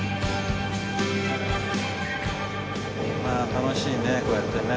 楽しいねこうやってね。